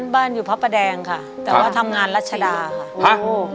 บ้านอยู่พระประแดงค่ะแต่ว่าทำงานรัชดาค่ะ